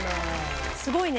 すごいね。